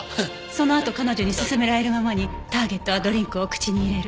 そのあと彼女に勧められるままにターゲットはドリンクを口に入れる。